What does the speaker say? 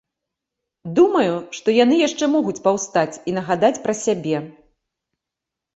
Думаю, што яны яшчэ могуць паўстаць і нагадаць пра сябе.